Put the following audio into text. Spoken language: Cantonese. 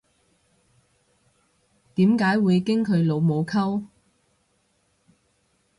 點解會經佢老母溝